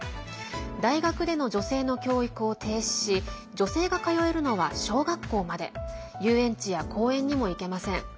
大学での女性の教育を停止し女性が通えるのは小学校まで遊園地や公園にも行けません。